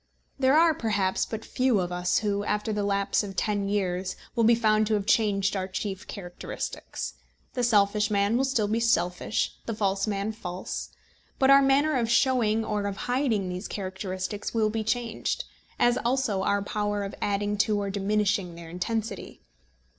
There are, perhaps, but few of us who, after the lapse of ten years, will be found to have changed our chief characteristics. The selfish man will still be selfish, and the false man false. But our manner of showing or of hiding these characteristics will be changed, as also our power of adding to or diminishing their intensity.